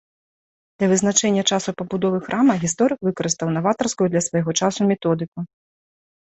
Для вызначэння часу пабудовы храма гісторык выкарыстаў наватарскую для свайго часу методыку.